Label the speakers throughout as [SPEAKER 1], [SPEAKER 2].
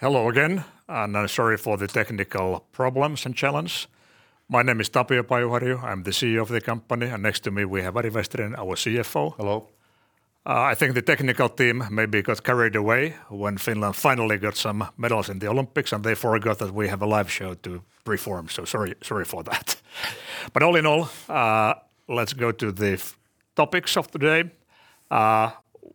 [SPEAKER 1] Hello again, and sorry for the technical problems and challenge. My name is Tapio Pajuharju. I'm the CEO of the company, and next to me we have Ari Vesterinen, our CFO.
[SPEAKER 2] Hello.
[SPEAKER 1] I think the technical team maybe got carried away when Finland finally got some medals in the Olympics, and they forgot that we have a live show to perform. Sorry for that. All in all, let's go to the topics of today.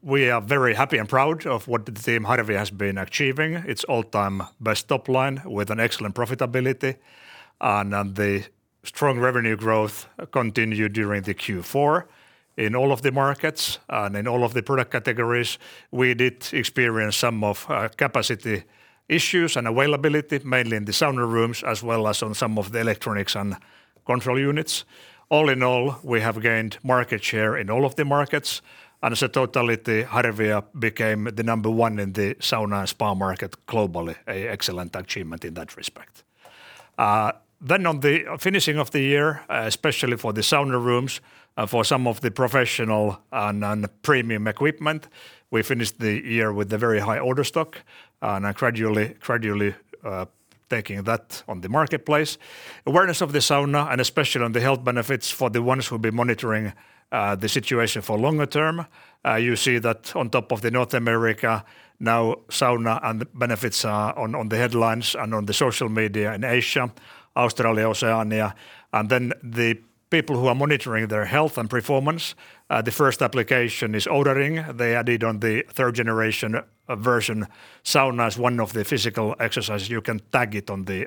[SPEAKER 1] We are very happy and proud of what the Team Harvia has been achieving. It's all-time best top line with an excellent profitability, and then the strong revenue growth continued during the Q4 in all of the markets and in all of the product categories. We did experience some capacity issues and availability, mainly in the sauna rooms as well as on some of the electronics and control units. All in all, we have gained market share in all of the markets, and as a totality, Harvia became the number one in the sauna and spa market globally. An excellent achievement in that respect. Then on the finishing of the year, especially for the sauna rooms, for some of the professional and premium equipment, we finished the year with a very high order stock, and are gradually taking that on the marketplace. Awareness of the sauna and especially on the health benefits for the ones who'll be monitoring the situation for longer term, you see that on top of that in North America now sauna and benefits are on the headlines and on the social media in Asia, Australia, Oceania. Then the people who are monitoring their health and performance, the first application is Oura Ring. They added on the third generation version sauna as one of the physical exercises. You can tag it on the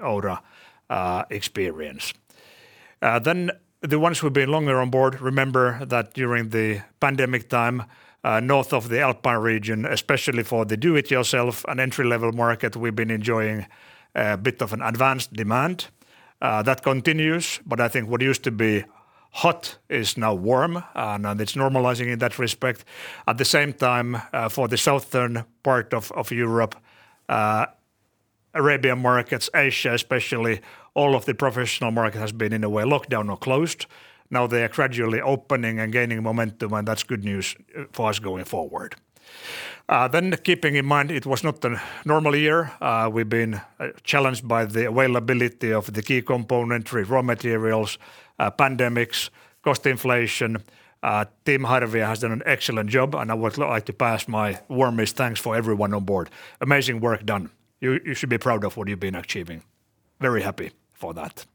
[SPEAKER 1] Oura experience. The ones who have been longer on board remember that during the pandemic time, north of the Alpine region, especially for the do-it-yourself and entry-level market, we've been enjoying a bit of an advanced demand. That continues, but I think what used to be hot is now warm, and it's normalizing in that respect. At the same time, for the southern part of Europe, Arabian markets, Asia especially, all of the professional market has been in a way locked down or closed. Now they are gradually opening and gaining momentum, and that's good news for us going forward. Keeping in mind it was not a normal year. We've been challenged by the availability of the key componentry, raw materials, pandemics, cost inflation. Team Harvia has done an excellent job, and I would like to pass my warmest thanks for everyone on board. Amazing work done. You should be proud of what you've been achieving. Very happy for that.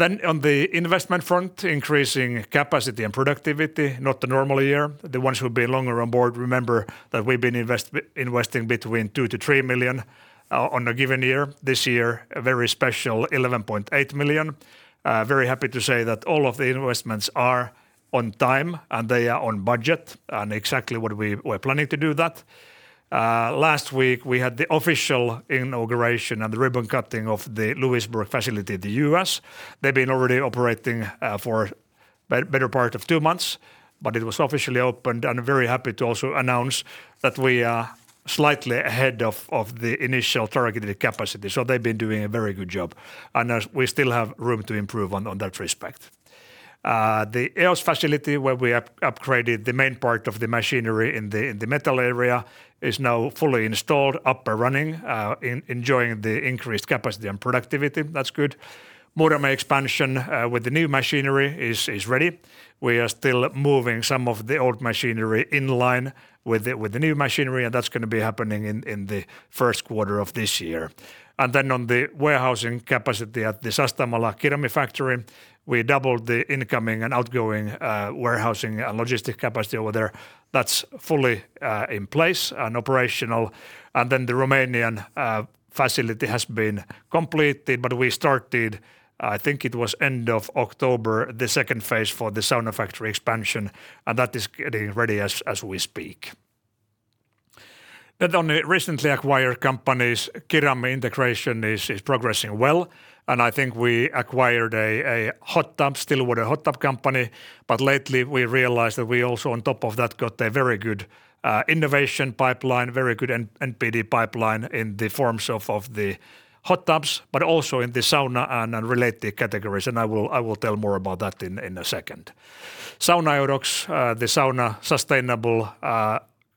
[SPEAKER 1] On the investment front, increasing capacity and productivity, not a normal year. The ones who've been longer on board remember that we've been investing between 2 million-3 million on a given year. This year, a very special 11.8 million. Very happy to say that all of the investments are on time, and they are on budget and exactly what we were planning to do that. Last week we had the official inauguration and the ribbon cutting of the Lewisburg facility in the U.S. They've been already operating for better part of two months, but it was officially opened. Very happy to also announce that we are slightly ahead of the initial targeted capacity. They've been doing a very good job, and we still have room to improve on that respect. The EOS facility, where we upgraded the main part of the machinery in the metal area, is now fully installed, up and running, enjoying the increased capacity and productivity. That's good. Muurame expansion with the new machinery is ready. We are still moving some of the old machinery in line with the new machinery, and that's gonna be happening in the first quarter of this year. Then on the warehousing capacity at the Sastamala Kirami Oy factory, we doubled the incoming and outgoing warehousing and logistic capacity over there. That's fully in place and operational. Then the Romanian facility has been completed, but we started, I think it was end of October, the second phase for the sauna factory expansion, and that is getting ready as we speak. On the recently acquired companies, Kirami Oy integration is progressing well. I think we acquired a hot tub, Stillwater hot tub company. Lately we realized that we also on top of that got a very good innovation pipeline, very good NPD pipeline in the forms of the hot tubs, but also in the sauna and related categories. I will tell more about that in a second. Sauna-Eurox, the sauna sustainable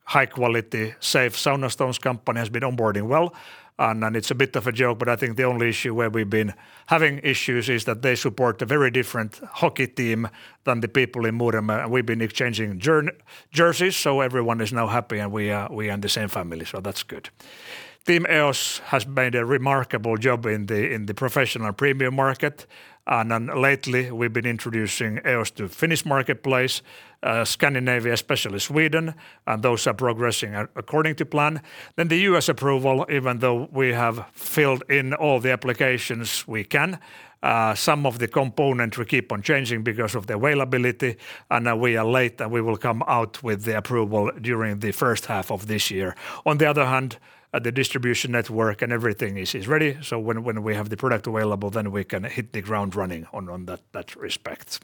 [SPEAKER 1] high quality, safe sauna stones company has been onboarding well. It's a bit of a joke, but I think the only issue where we've been having issues is that they support a very different hockey team than the people in Muurame. We've been exchanging jerseys, so everyone is now happy, and we are in the same family. That's good. Team EOS has made a remarkable job in the professional premium market. Lately we've been introducing EOS to Finnish marketplace, Scandinavia, especially Sweden, and those are progressing according to plan. The U.S. approval, even though we have filled in all the applications we can, some of the components we keep on changing because of the availability, and we are late, and we will come out with the approval during the first half of this year. On the other hand, the distribution network and everything is ready, so when we have the product available, then we can hit the ground running on that respect.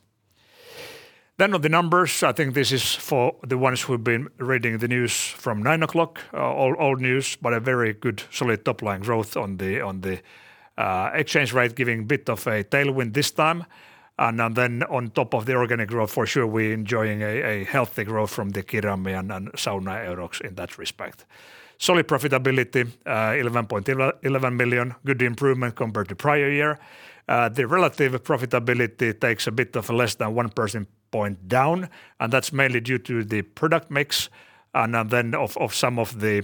[SPEAKER 1] On the numbers, I think this is for the ones who've been reading the news from nine o'clock, old news, but a very good solid top line growth on the exchange rate giving a bit of a tailwind this time. On top of the organic growth, for sure, we're enjoying a healthy growth from the Kirami Oy and Sauna-Eurox in that respect. Solid profitability, 11.1 million, good improvement compared to prior year. The relative profitability takes a bit of less than 1 percentage point down, and that's mainly due to the product mix and then some of the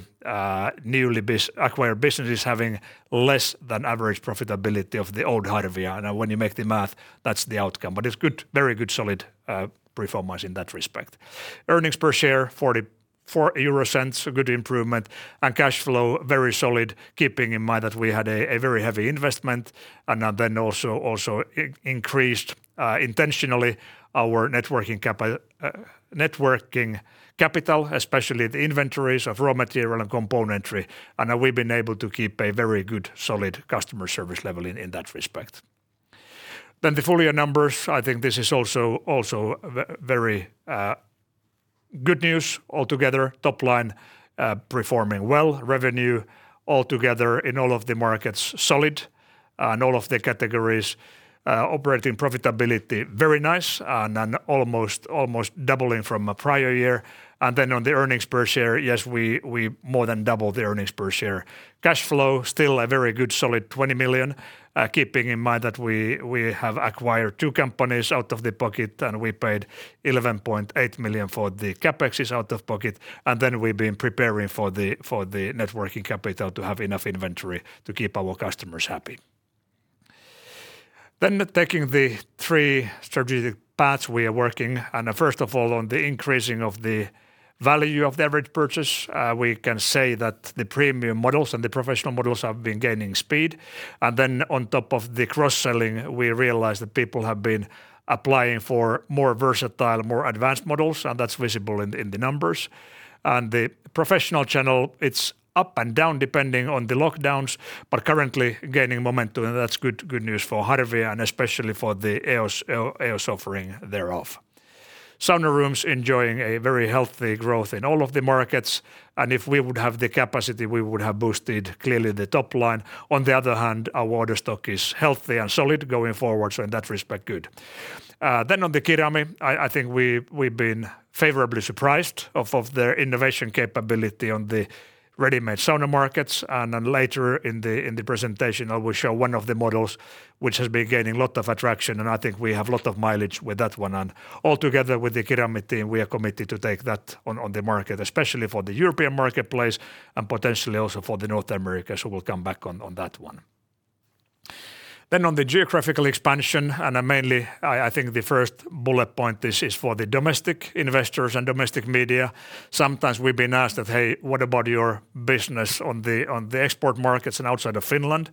[SPEAKER 1] newly business-acquired businesses having less than average profitability of the old Harvia. When you make the math, that's the outcome. It's good, very good solid performance in that respect. Earnings per share, 0.44, a good improvement. Cash flow, very solid, keeping in mind that we had a very heavy investment and then also increased intentionally our net working capital, especially the inventories of raw material and components. We've been able to keep a very good solid customer service level in that respect. The full year numbers, I think this is also very good news altogether. Top line performing well. Revenue, altogether in all of the markets, solid. All of the categories, operating profitability, very nice, and then almost doubling from a prior year. On the earnings per share, yes, we more than double the earnings per share. Cash flow, still a very good solid 20 million, keeping in mind that we have acquired two companies out of pocket and we paid 11.8 million for the CapEx out of pocket. We've been preparing for the working capital to have enough inventory to keep our customers happy. Taking the three strategic paths we are working, and first of all, on the increasing of the value of the average purchase, we can say that the premium models and the professional models have been gaining speed. Then on top of the cross-selling, we realize that people have been applying for more versatile, more advanced models, and that's visible in the numbers. The professional channel, it's up and down depending on the lockdowns, but currently gaining momentum, and that's good news for Harvia and especially for the EOS offering thereof. Sauna rooms enjoying a very healthy growth in all of the markets. If we would have the capacity, we would have boosted clearly the top line. On the other hand, our order stock is healthy and solid going forward, so in that respect, good. Then on the Kirami Oy, I think we've been favorably surprised of their innovation capability on the ready-made sauna markets. Later in the presentation, I will show one of the models which has been gaining a lot of attraction, and I think we have a lot of mileage with that one. All together with the Kirami Oy team, we are committed to take that on the market, especially for the European marketplace and potentially also for the North America. We'll come back on that one. On the geographical expansion, and mainly, I think the first bullet point, this is for the domestic investors and domestic media. Sometimes we've been asked that, "Hey, what about your business on the export markets and outside of Finland?"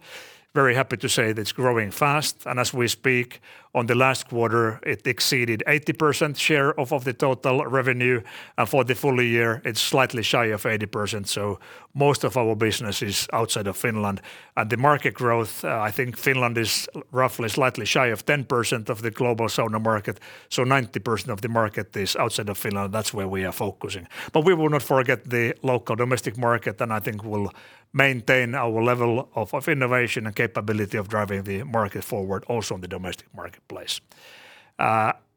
[SPEAKER 1] Very happy to say that it's growing fast. As we speak, on the last quarter, it exceeded 80% share of the total revenue. For the full year, it's slightly shy of 80%. Most of our business is outside of Finland. The market growth, I think Finland is roughly slightly shy of 10% of the global sauna market. Ninety percent of the market is outside of Finland. That's where we are focusing. We will not forget the local domestic market, and I think we'll maintain our level of innovation and capability of driving the market forward also in the domestic marketplace.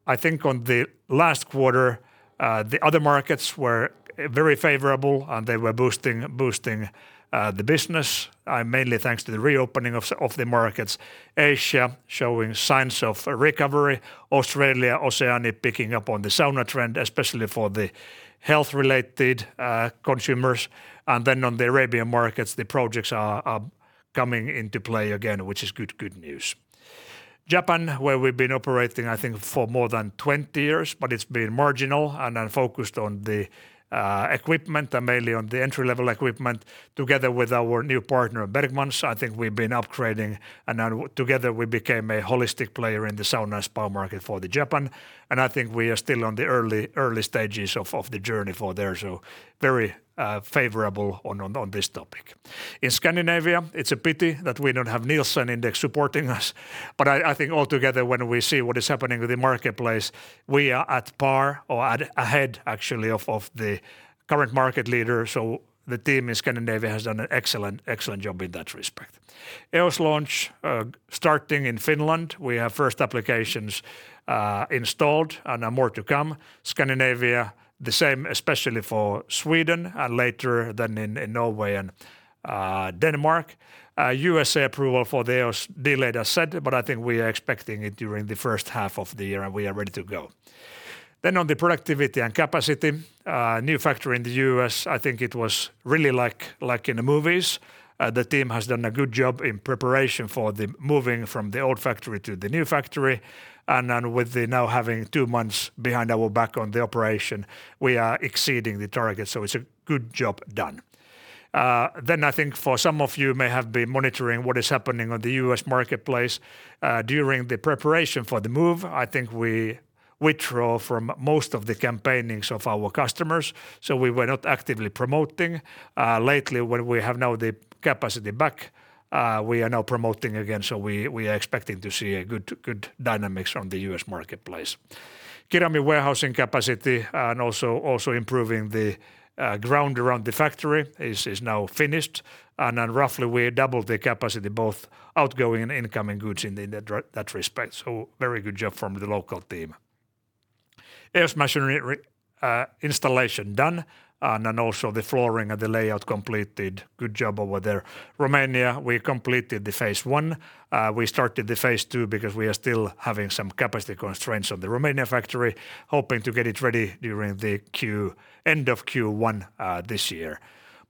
[SPEAKER 1] I think on the last quarter, the other markets were very favorable, and they were boosting the business mainly thanks to the reopening of the markets. Asia showing signs of recovery. Australia, Oceania picking up on the sauna trend, especially for the health-related consumers. Then on the Arabian markets, the projects are coming into play again, which is good news. Japan, where we've been operating, I think, for more than 20 years, but it's been marginal and then focused on the equipment and mainly on the entry-level equipment. Together with our new partner, Bergman, I think we've been upgrading. Now together, we became a holistic player in the sauna spa market for Japan. I think we are still on the early stages of the journey there. Very favorable on this topic. In Scandinavia, it's a pity that we don't have Nielsen index supporting us. I think altogether, when we see what is happening with the marketplace, we are at par or ahead, actually, of the current market leader. The team in Scandinavia has done an excellent job in that respect. EOS launch starting in Finland. We have first applications installed and more to come. Scandinavia, the same, especially for Sweden, and later then in Norway and Denmark. U.S. approval for the EOS delayed, as said, but I think we are expecting it during the first half of the year, and we are ready to go. On the productivity and capacity, new factory in the U.S., I think it was really like in the movies. The team has done a good job in preparation for the moving from the old factory to the new factory. With the now having two months behind our back on the operation, we are exceeding the target. It's a good job done. I think for some of you may have been monitoring what is happening on the U.S. marketplace during the preparation for the move. I think we withdrew from most of the campaigns of our customers, so we were not actively promoting. Lately, when we have now the capacity back, we are now promoting again, so we are expecting to see good dynamics on the U.S. marketplace. Kirami Oy warehousing capacity and also improving the ground around the factory is now finished, and then roughly we doubled the capacity both outgoing and incoming goods in that respect. Very good job from the local team. Our machinery installation done, and then also the flooring and the layout completed. Good job over there. Romania, we completed the phase one. We started the phase two because we are still having some capacity constraints on the Romania factory, hoping to get it ready during the end of Q1 this year.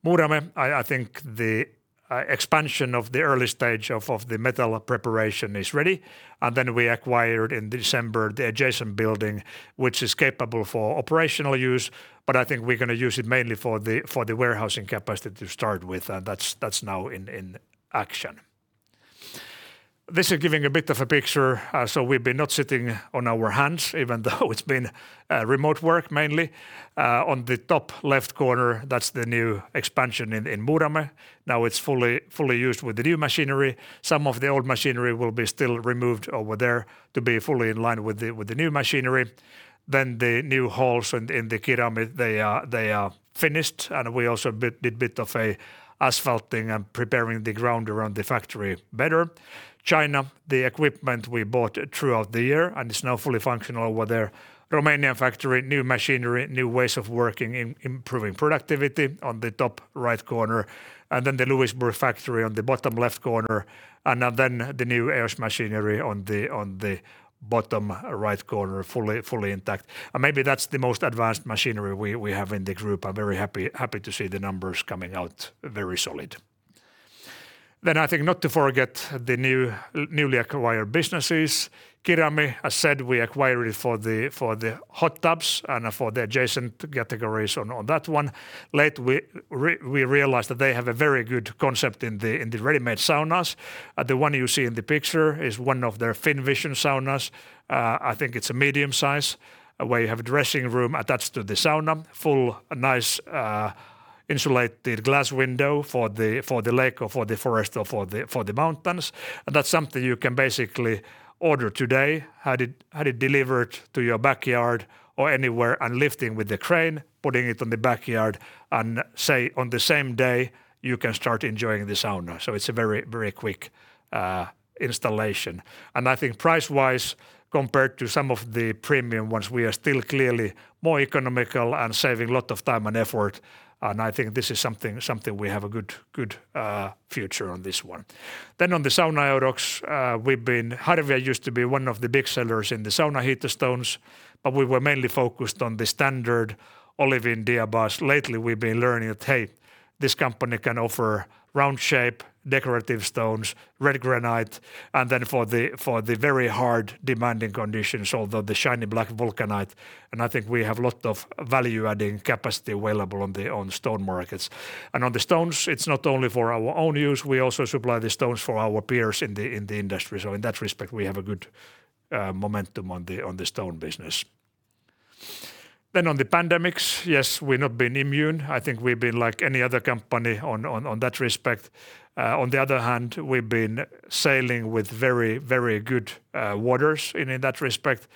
[SPEAKER 1] Muurame, I think the expansion of the early stage of the metal preparation is ready, and then we acquired in December the adjacent building, which is capable for operational use, but I think we're gonna use it mainly for the warehousing capacity to start with, and that's now in action. This is giving a bit of a picture, so we've been not sitting on our hands even though it's been remote work mainly. On the top left corner, that's the new expansion in Muurame. Now it's fully used with the new machinery. Some of the old machinery will be still removed over there to be fully in line with the new machinery. The new halls in the Kirami Oy, they are finished, and we also did a bit of asphalting and preparing the ground around the factory better. China, the equipment we bought throughout the year, and it's now fully functional over there. Romanian factory, new machinery, new ways of working, improving productivity on the top right corner. The Lewisburg factory on the bottom left corner. The new EOS machinery on the bottom right corner, fully intact. Maybe that's the most advanced machinery we have in the group. I'm very happy to see the numbers coming out very solid. I think not to forget the newly acquired businesses. Kirami Oy, as said, we acquired it for the hot tubs and for the adjacent categories on that one. We realized that they have a very good concept in the ready-made saunas. The one you see in the picture is one of their FinVision saunas. I think it's a medium size, where you have a dressing room attached to the sauna, fully nice insulated glass window for the lake or for the forest or for the mountains. That's something you can basically order today, have it delivered to your backyard or anywhere and lifting with the crane, putting it on the backyard and say, on the same day, you can start enjoying the sauna. It's a very, very quick installation. I think price-wise, compared to some of the premium ones, we are still clearly more economical and saving a lot of time and effort. I think this is something we have a good future on this one. On the Sauna-Eurox, Harvia used to be one of the big sellers in the sauna heater stones, but we were mainly focused on the standard olivine diabase. Lately, we've been learning that, hey, this company can offer round shape, decorative stones, red granite, and then for the very hard demanding conditions, although the shiny black vulcanite, and I think we have lot of value-adding capacity available on the stone markets. On the stones, it's not only for our own use, we also supply the stones for our peers in the industry. In that respect, we have a good momentum on the stone business. On the pandemic, yes, we've not been immune. I think we've been like any other company on that respect. On the other hand, we've been sailing with very good waters in that respect.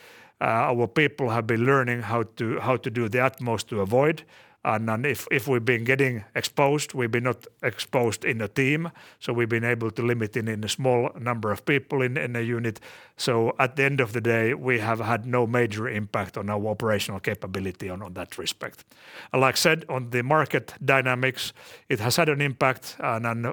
[SPEAKER 1] Our people have been learning how to do the utmost to avoid. If we've been getting exposed, we've been not exposed as a team. We've been able to limit it in a small number of people in a unit. At the end of the day, we have had no major impact on our operational capability on that respect. Like I said, on the market dynamics, it has had an impact.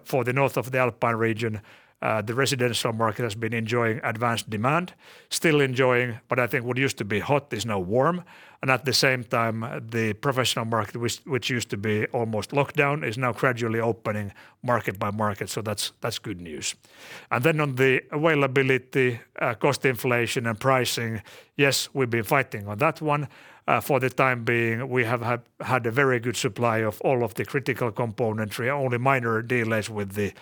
[SPEAKER 1] For the north of the Alpine region, the residential market has been enjoying advanced demand, still enjoying, but I think what used to be hot is now warm. At the same time, the professional market, which used to be almost locked down, is now gradually opening market by market. That's good news. On the availability, cost inflation and pricing, yes, we've been fighting on that one. For the time being, we have had a very good supply of all of the critical componentry, only minor delays with the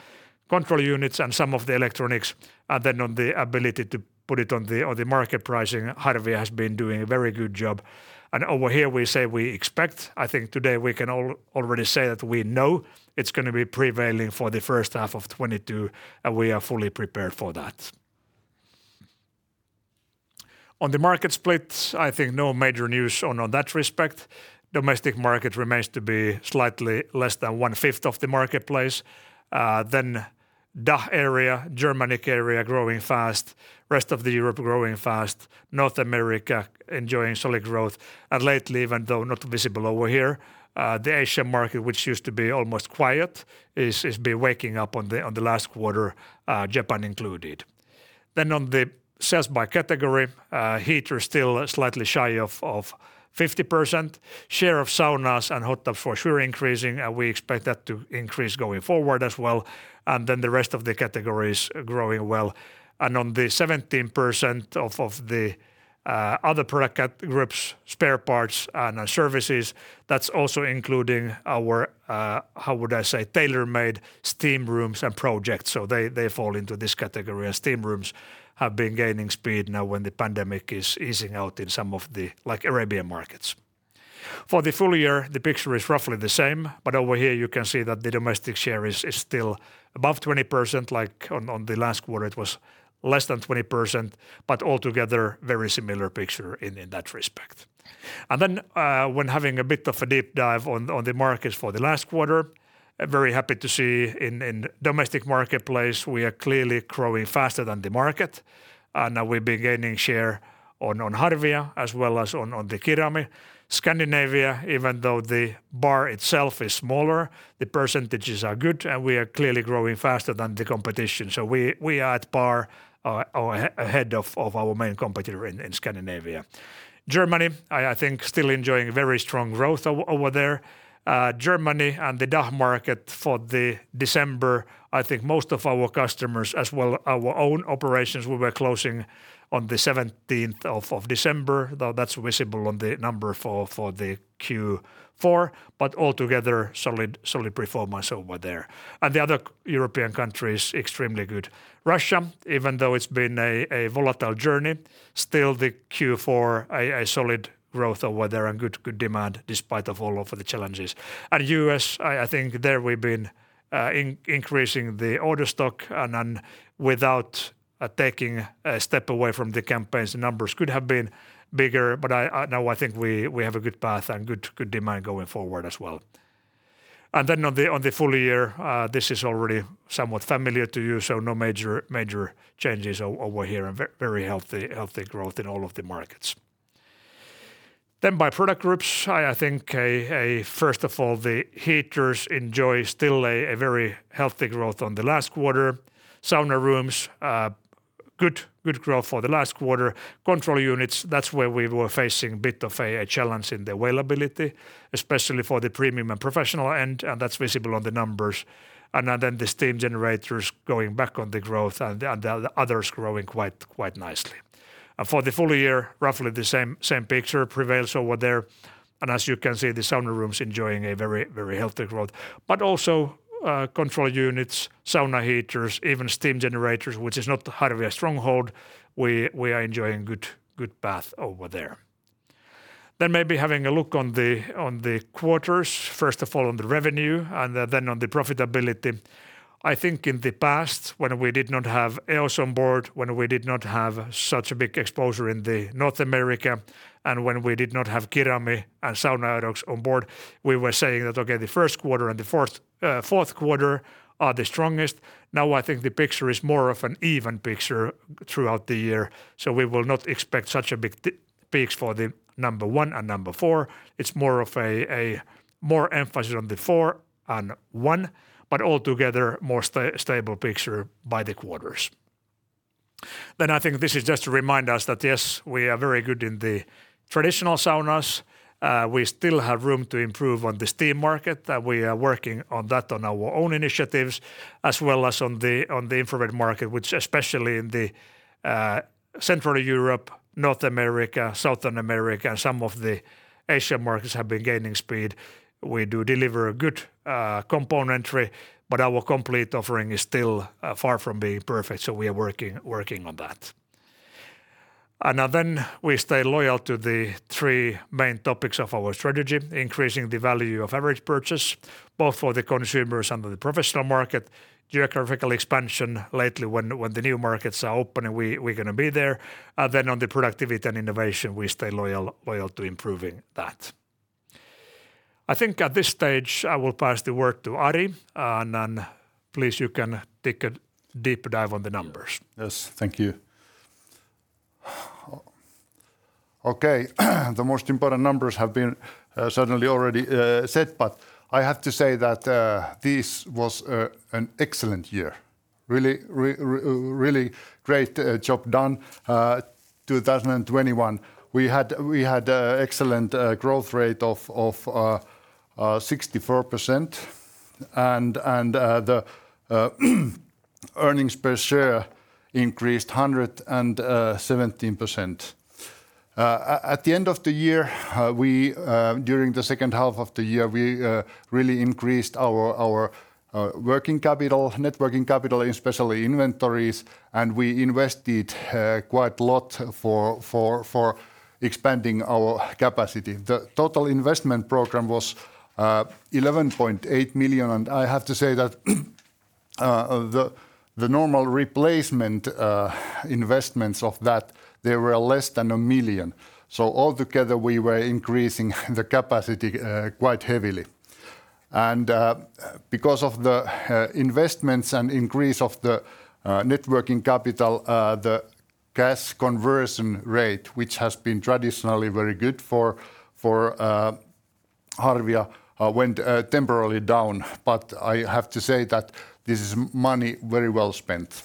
[SPEAKER 1] control units and some of the electronics. On the ability to put it on the market pricing, Harvia has been doing a very good job. Over here, we say we expect. I think today we can already say that we know it's gonna be prevailing for the first half of 2022, and we are fully prepared for that. On the market splits, I think no major news in that respect. Domestic market remains to be slightly less than one-fifth of the marketplace. Then DACH area, Germanic area growing fast, rest of Europe growing fast, North America enjoying solid growth. Lately, even though not visible over here, the Asian market, which used to be almost quiet, has been waking up in the last quarter, Japan included. Then on the sales by category, heater still slightly shy of 50%. Share of saunas and hot tubs for sure increasing, and we expect that to increase going forward as well. The rest of the categories growing well. On the 17% of the other product groups, spare parts and services, that's also including our how would I say, tailor-made steam rooms and projects. They fall into this category as steam rooms have been gaining speed now when the pandemic is easing out in some of the like Arabian markets. For the full year, the picture is roughly the same, but over here you can see that the domestic share is still above 20%, like on the last quarter it was less than 20%. Altogether, very similar picture in that respect. When having a bit of a deep dive on the markets for the last quarter, very happy to see in the domestic marketplace, we are clearly growing faster than the market, and we've been gaining share on Harvia as well as on the Kirami Oy. Scandinavia, even though the bar itself is smaller, the percentages are good, and we are clearly growing faster than the competition. We are at par or ahead of our main competitor in Scandinavia. Germany, I think, still enjoying very strong growth over there. Germany and the DACH market for the December, I think most of our customers as well our own operations we were closing on the seventeenth of December, though that's visible on the number for the Q4. Altogether, solid performance over there. The other European countries, extremely good. Russia, even though it's been a volatile journey, still the Q4 solid growth over there and good demand despite of all of the challenges. U.S., I think, there we've been increasing the order stock. Without taking a step away from the campaigns, the numbers could have been bigger, but now I think we have a good path and good demand going forward as well. On the full year, this is already somewhat familiar to you, so no major changes over here and very healthy growth in all of the markets. By product groups, I think first of all, the heaters enjoy still a very healthy growth on the last quarter. Sauna rooms, good growth for the last quarter. Control units, that's where we were facing a bit of a challenge in the availability, especially for the premium and professional end, and that's visible on the numbers. The steam generators going back to the growth and the others growing quite nicely. For the full year, roughly the same picture prevails over there. As you can see, the sauna rooms enjoying a very healthy growth. Also, control units, sauna heaters, even steam generators, which is not Harvia stronghold, we are enjoying good path over there. Maybe having a look on the quarters, first of all on the revenue and then on the profitability. I think in the past, when we did not have EOS on board, when we did not have such a big exposure in North America, and when we did not have Kirami Oy and Sauna-Eurox on board, we were saying that, okay, the first quarter and the fourth quarter are the strongest. Now I think the picture is more of an even picture throughout the year, so we will not expect such a big deep peaks for the number one and number four. It's more of a more emphasis on the four and one, but altogether more stable picture by the quarters. I think this is just to remind us that, yes, we are very good in the traditional saunas. We still have room to improve on the steam market, and we are working on that on our own initiatives, as well as on the infrared market, which especially in the Central Europe, North America, Southern America, and some of the Asian markets have been gaining speed. We do deliver good componentry, but our complete offering is still far from being perfect, so we are working on that. Then we stay loyal to the three main topics of our strategy, increasing the value of average purchase, both for the consumers and the professional market. Geographical expansion, lately when the new markets are opening, we're gonna be there. Then on the productivity and innovation, we stay loyal to improving that. I think at this stage, I will pass the word to Ari, and then please you can take a deep dive on the numbers.
[SPEAKER 2] Yes. Thank you. Okay. The most important numbers have been certainly already said, but I have to say that this was an excellent year. Really great job done, 2021. We had excellent growth rate of 64% and the earnings per share increased 117%. At the end of the year, during the second half of the year, we really increased our working capital, net working capital, especially inventories, and we invested quite a lot for expanding our capacity. The total investment program was 11.8 million, and I have to say that the normal replacement investments of that were less than 1 million. Altogether, we were increasing the capacity quite heavily. Because of the investments and increase of the net working capital, the cash conversion rate, which has been traditionally very good for Harvia, went temporarily down. I have to say that this is money very well spent.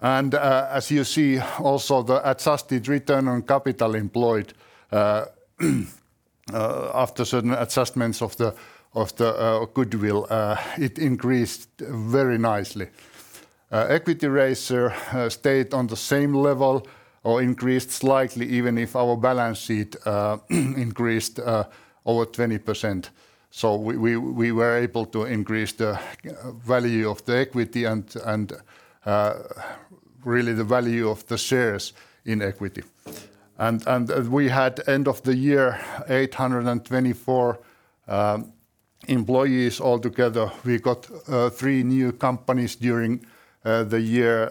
[SPEAKER 2] As you see also the adjusted return on capital employed, after certain adjustments of the goodwill, it increased very nicely. Equity ratio stayed on the same level or increased slightly even if our balance sheet increased over 20%. We were able to increase the value of the equity and really the value of the shares in equity. We had end of the year 824 employees altogether. We got three new companies during the year,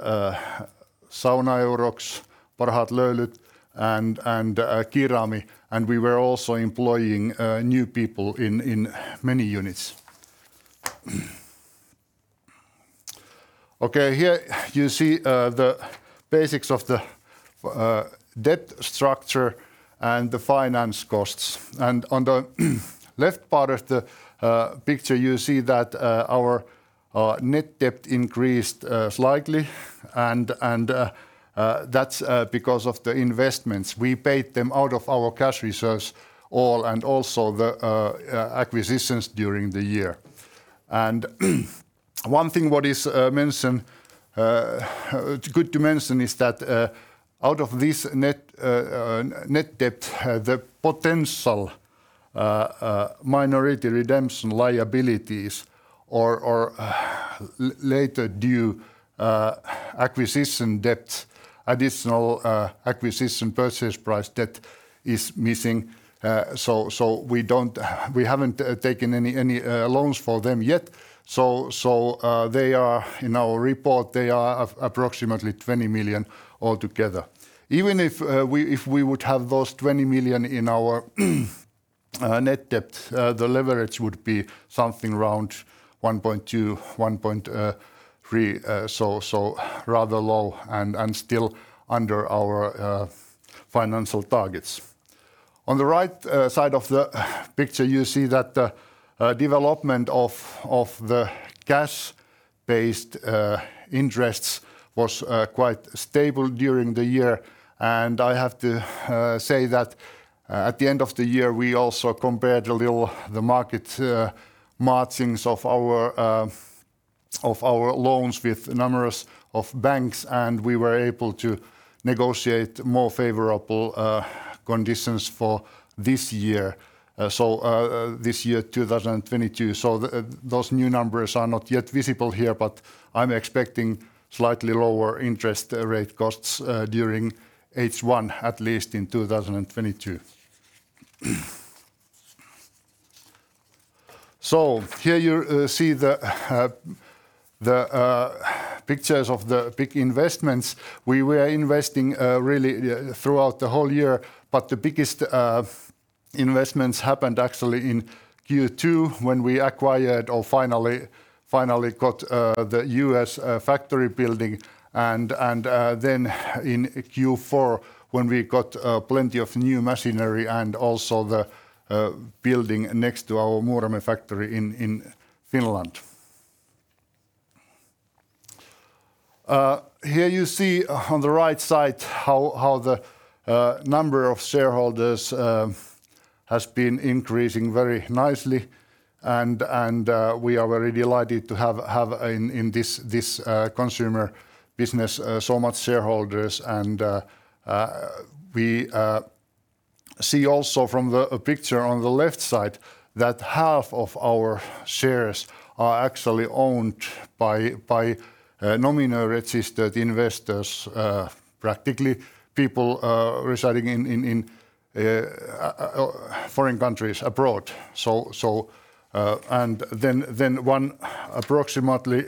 [SPEAKER 2] Sauna-Eurox, Parhaat Löylyt, and Kirami Oy, and we were also employing new people in many units. Okay, here you see the basics of the debt structure and the finance costs. On the left part of the picture, you see that our net debt increased slightly, and that's because of the investments. We paid them out of our cash reserves all, and also the acquisitions during the year. One thing that is mentioned good to mention is that out of this net debt, the potential minority redemption liabilities or later due acquisition debt, additional acquisition purchase price debt is missing, so we haven't taken any loans for them yet. In our report, they are approximately 20 million altogether. Even if we would have those 20 million in our net debt, the leverage would be something around 1.2-1.3, so rather low and still under our financial targets. On the right side of the picture, you see that development of the cash-based interests was quite stable during the year. I have to say that at the end of the year, we also compared a little the market margins of our loans with numbers of banks, and we were able to negotiate more favorable conditions for this year, so this year, 2022. Those new numbers are not yet visible here, but I'm expecting slightly lower interest rate costs during H1, at least in 2022. Here you see the pictures of the big investments. We were investing really throughout the whole year, but the biggest investments happened actually in Q2 when we acquired or finally got the U.S. factory building and then in Q4 when we got plenty of new machinery and also the building next to our Muurame factory in Finland. Here you see on the right side how the number of shareholders has been increasing very nicely, and we are very delighted to have in this consumer business so much shareholders. We see also from the picture on the left side that half of our shares are actually owned by nominee registered investors practically people residing in foreign countries abroad. Then one... Approximately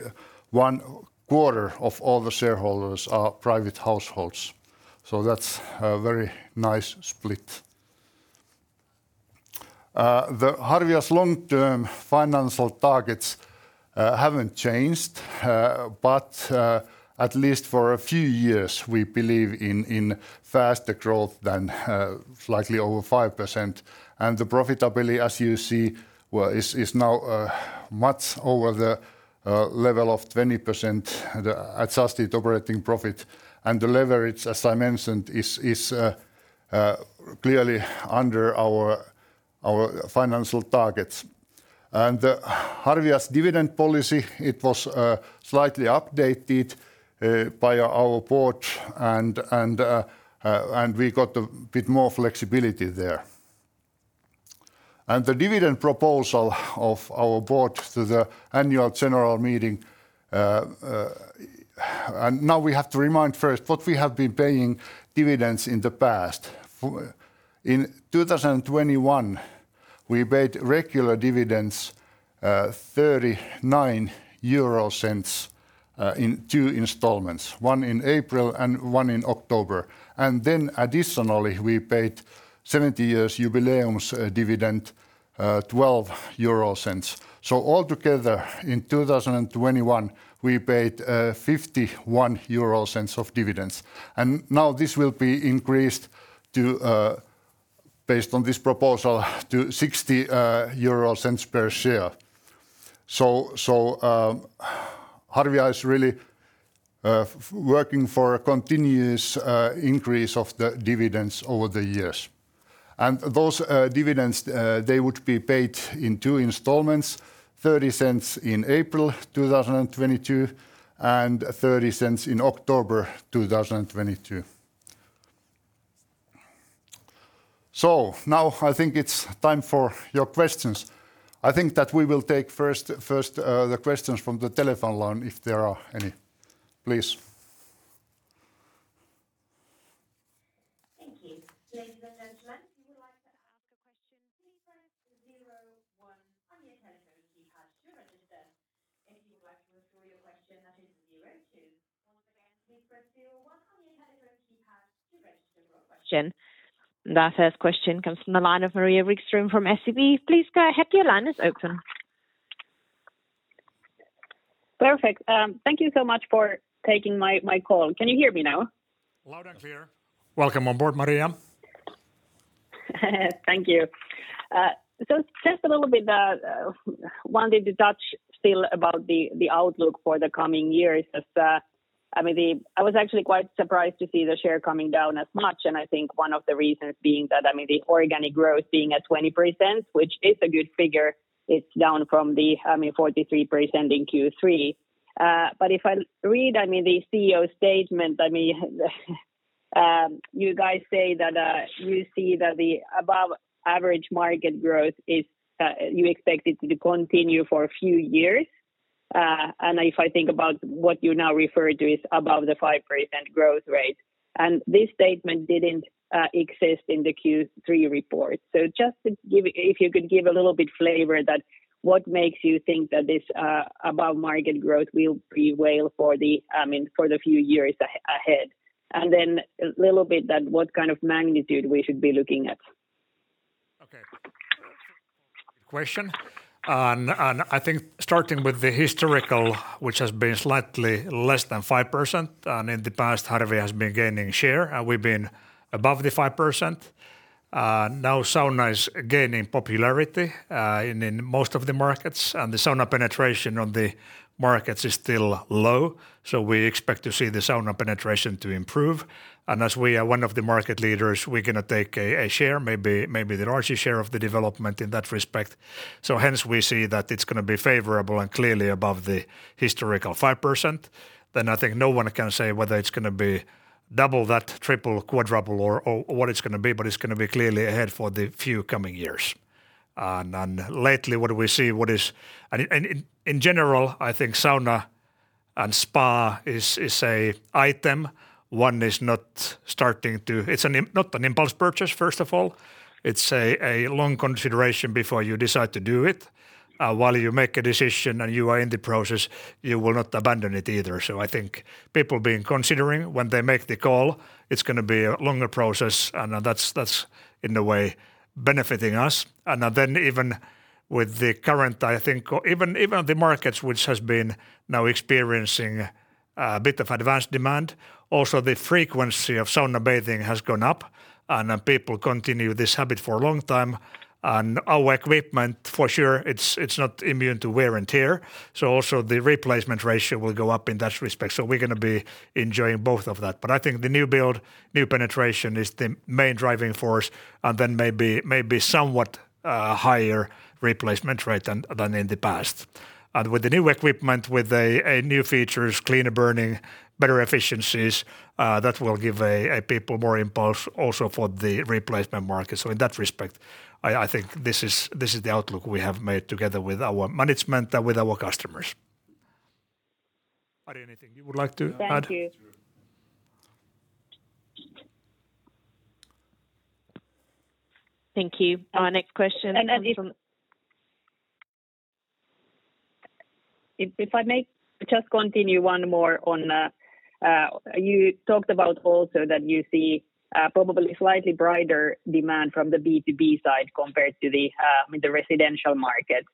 [SPEAKER 2] one quarter of all the shareholders are private households. That's a very nice split. Harvia's long-term financial targets haven't changed, but at least for a few years, we believe in faster growth than slightly over 5%. The profitability, as you see, is now much over the level of 20%, the adjusted operating profit. The leverage, as I mentioned, is clearly under our financial targets. Harvia's dividend policy, it was slightly updated by our board and we got a bit more flexibility there. The dividend proposal of our board to the annual general meeting. Now we have to remind first what we have been paying dividends in the past. In 2021, we paid regular dividends, 0.39, in two installments, one in April and one in October. Additionally, we paid 70 years' jubilee dividend, 0.12. Altogether, in 2021, we paid 0.51 of dividends. Now this will be increased to, based on this proposal, to 0.60 per share. Harvia is really working for a continuous increase of the dividends over the years. Those dividends they would be paid in two installments, 0.30 in April 2022 and 0.30 in October 2022. Now I think it's time for your questions. I think that we will take first the questions from the telephone line, if there are any. Please.
[SPEAKER 3] Thank you. Ladies and gentlemen, if you would like to ask a question, please press zero one on your telephone keypad to register. If you would like to withdraw your question, that is zero two. Once again, please press zero one on your telephone keypad to register for a question. Our first question comes from the line of Maria Wikström from SEB. Please go ahead. Your line is open.
[SPEAKER 4] Perfect. Thank you so much for taking my call. Can you hear me now?
[SPEAKER 1] Loud and clear. Welcome on board, Maria.
[SPEAKER 4] Thank you. Just a little bit wanted to touch still about the outlook for the coming years as I mean, I was actually quite surprised to see the share coming down as much, and I think one of the reasons being that I mean, the organic growth being at 20%, which is a good figure, it's down from the I mean, 43% in Q3. If I read I mean, the CEO statement, I mean, you guys say that you see that the above average market growth is you expect it to continue for a few years. If I think about what you now refer to is above the 5% growth rate, and this statement didn't exist in the Q3 report. Just to give If you could give a little bit flavor that what makes you think that this above-market growth will prevail for the, I mean, for the few years ahead, and then a little bit that what kind of magnitude we should be looking at?
[SPEAKER 1] Okay. Good question. I think starting with the historical, which has been slightly less than 5%, and in the past, Harvia has been gaining share, and we've been above the 5%. Now sauna is gaining popularity in most of the markets, and the sauna penetration on the markets is still low, so we expect to see the sauna penetration to improve. As we are one of the market leaders, we're gonna take a share, maybe the largest share of the development in that respect. Hence we see that it's gonna be favorable and clearly above the historical 5%. I think no one can say whether it's gonna be double that, triple, quadruple or what it's gonna be, but it's gonna be clearly ahead for the few coming years. Lately, what we see is... In general, I think sauna and spa is not an impulse purchase, first of all. It's a long consideration before you decide to do it. While you make a decision and you are in the process, you will not abandon it either. I think people begin considering when they make the call, it's gonna be a longer process, and that's in a way benefiting us. Even with the current, I think even the markets which has been now experiencing a bit of advance demand, also the frequency of sauna bathing has gone up, and people continue this habit for a long time. Our equipment, for sure, it's not immune to wear and tear, so also the replacement ratio will go up in that respect. We're gonna be enjoying both of that. I think the new build, new penetration is the main driving force, and then maybe somewhat higher replacement rate than in the past. With the new equipment, with a new features, cleaner burning, better efficiencies, that will give a people more impulse also for the replacement market. In that respect, I think this is the outlook we have made together with our management and with our customers. Ari, anything you would like to add?
[SPEAKER 4] Thank you.
[SPEAKER 3] Thank you. Our next question comes from
[SPEAKER 4] If I may just continue one more on, you talked about also that you see probably slightly brighter demand from the B2B side compared to the, I mean, the residential markets.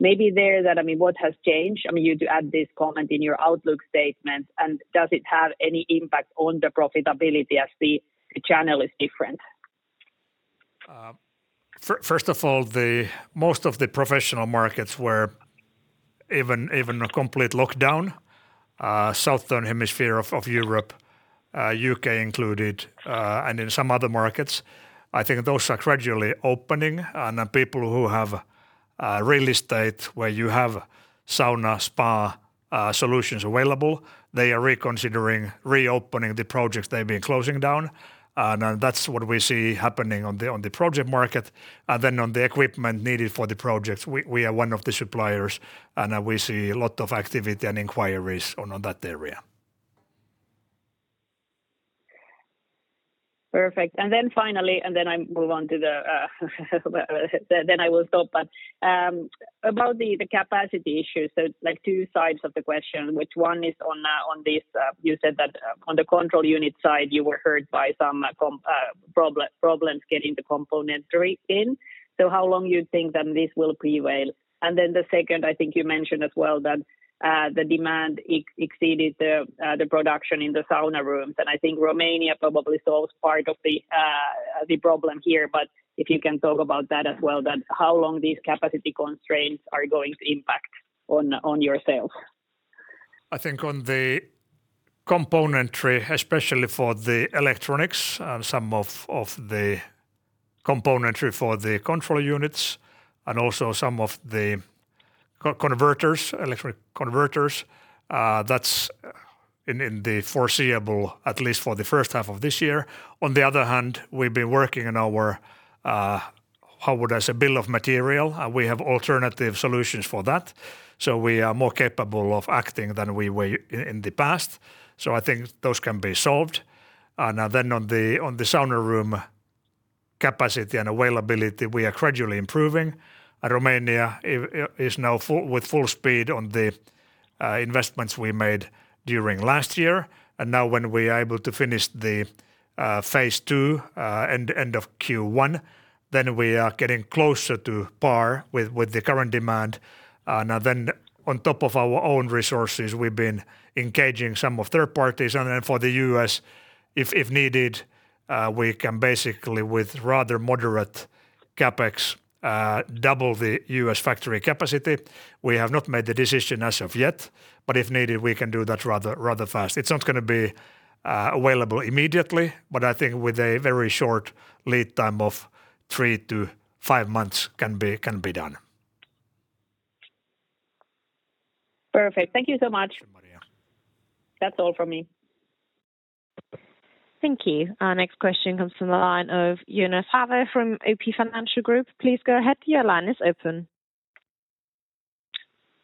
[SPEAKER 4] Maybe I mean, what has changed? I mean, you do add this comment in your outlook statement, and does it have any impact on the profitability as the channel is different?
[SPEAKER 1] First of all, most of the professional markets were in a complete lockdown in southern Europe, U.K. included, and in some other markets. I think those are gradually opening, and then people who have real estate where you have sauna, spa solutions available, they are reconsidering reopening the projects they've been closing down. That's what we see happening on the project market. On the equipment needed for the projects, we are one of the suppliers, and we see a lot of activity and inquiries on that area.
[SPEAKER 4] Perfect. Then I will stop. About the capacity issue, so like two sides of the question, which one is on this. You said that on the control unit side, you were hurt by some component problems getting the componentry in. So how long you think then this will prevail? Then the second, I think you mentioned as well that the demand exceeded the production in the sauna rooms. I think Romania probably solves part of the problem here, but if you can talk about that as well, then how long these capacity constraints are going to impact on your sales?
[SPEAKER 1] I think on the componentry, especially for the electronics and some of the componentry for the control units and also some of the electric converters, that's in the foreseeable, at least for the first half of this year. On the other hand, we've been working on our, how would I say, bill of material. We have alternative solutions for that, so we are more capable of acting than we were in the past. I think those can be solved. Now on the sauna room capacity and availability, we are gradually improving. Romania is now full with full speed on the investments we made during last year. Now when we're able to finish the phase two end of Q1, then we are getting closer to par with the current demand. On top of our own resources, we've been engaging some third parties. For the U.S. if needed, we can basically with rather moderate CapEx double the U.S. factory capacity. We have not made the decision as of yet, but if needed, we can do that rather fast. It's not gonna be available immediately, but I think with a very short lead time of three to five months can be done.
[SPEAKER 4] Perfect. Thank you so much.
[SPEAKER 1] Thank you, Maria.
[SPEAKER 4] That's all from me.
[SPEAKER 3] Thank you. Our next question comes from the line of Joonas Häyhä from OP Financial Group. Please go ahead, your line is open.